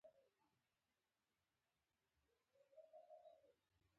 دا زما کار نه دی.